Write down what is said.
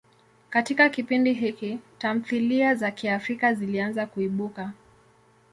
Katika kipindi hiki, tamthilia za Kiafrika zilianza kuibuka.